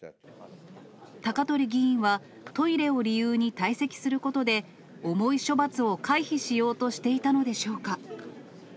高鳥議員は、トイレを理由に退席することで、重い処罰を回避しようとしていたのでしょうか。